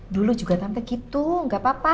dulu juga sampai gitu nggak apa apa